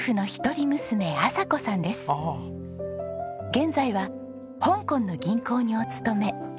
現在は香港の銀行にお勤め。